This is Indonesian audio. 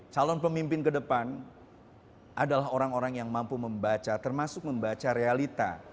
calon pemimpin ke depan adalah orang orang yang mampu membaca termasuk membaca realita